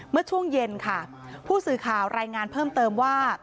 เมื่อช่วงเย็นค่ะผู้สื่อข่าวรายงานเพิ่มเติมว่า